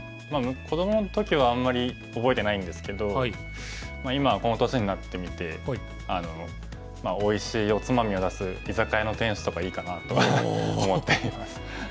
まあ子どもの時はあんまり覚えてないんですけど今この年になってみておいしいおつまみを出す居酒屋の店主とかいいかなと思っています。